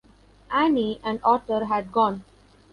Annie and Arthur had gone.